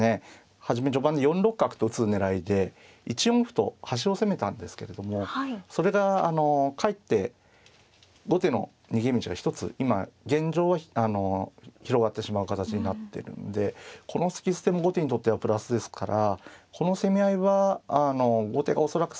初め序盤に４六角と打つ狙いで１四歩と端を攻めたんですけれどもそれがかえって後手の逃げ道は一つ今現状は広がってしまう形になってるんでこの突き捨ても後手にとってはプラスですからこの攻め合いは後手が恐らく少し指せるんではないかと。